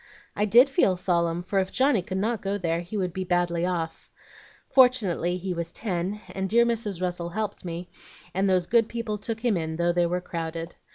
"I did feel solemn, for if Johnny could not go there he would be badly off. Fortunately he was ten, and dear Mrs. Russell helped me, and those good people took him in though they were crowded.